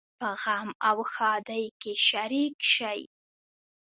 په غم او ښادۍ کې شریک شئ